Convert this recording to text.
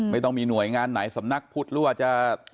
ไม่ต้องมีหน่วยงานไหนสำนักพุทธหรือว่าจะ